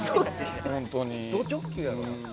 ど直球やろ。